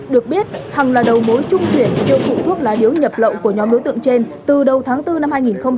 được biết hằng là đầu mối trung chuyển và tiêu thụ thuốc lá điếu nhập lậu của nhóm đối tượng trên từ đầu tháng bốn năm hai nghìn hai mươi